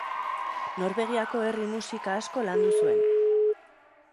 Norvegiako herri-musika asko landu zuen.